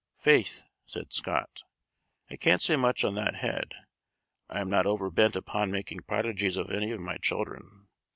"Faith," said Scott, "I can't say much on that head. I am not over bent upon making prodigies of any of my children.